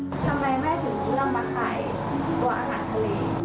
ทำไมแม่ถึงเลือกมาขายตัวอาหารทะเล